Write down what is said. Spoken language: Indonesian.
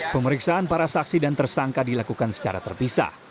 pemeriksaan para saksi dan tersangka dilakukan secara terpisah